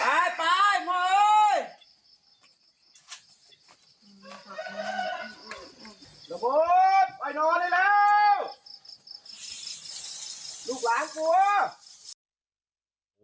ละมุดไปนอนได้แล้ว